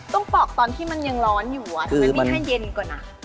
ปอกตอนที่มันยังร้อนอยู่ทำไมไม่ให้เย็นกว่านะ